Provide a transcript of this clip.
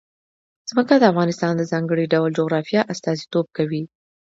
ځمکه د افغانستان د ځانګړي ډول جغرافیه استازیتوب کوي.